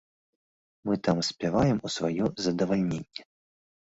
Мы там спяваем у сваё задавальненне.